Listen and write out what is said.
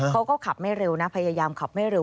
เขาก็ขับไม่เร็วนะพยายามขับไม่เร็